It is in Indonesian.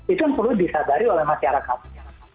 itu yang perlu disadari oleh masyarakatnya